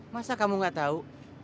masa kamu gak tau